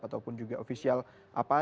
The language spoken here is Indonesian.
ataupun juga ofisial apa